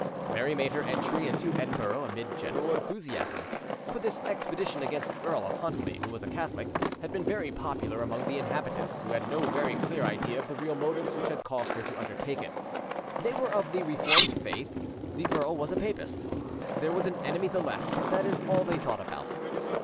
Mary made her entry into Edinburgh amid general enthusiasm; for this expedition against the Earl of Huntly, who was a Catholic, had been very popular among the inhabitants, who had no very clear idea of the real motives which had caused her to undertake it: They were of the Reformed faith, the earl was a papist, there was an enemy the less; that is all they thought about.